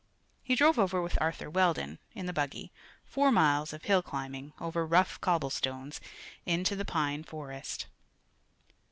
He drove over with Arthur Weldon, in the buggy four miles of hill climbing, over rough cobble stones, into the pine forest.